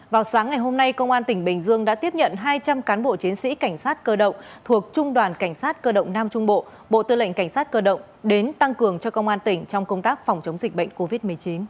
vào sáng ngày hôm nay công an tỉnh bình dương đã tiếp nhận hai trăm linh cán bộ chiến sĩ cảnh sát cơ động thuộc trung đoàn cảnh sát cơ động nam trung bộ bộ tư lệnh cảnh sát cơ động đến tăng cường cho công an tỉnh trong công tác phòng chống dịch bệnh covid một mươi chín